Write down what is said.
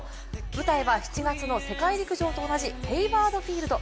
舞台は７月の世界陸上と同じヘイワード・フィールド。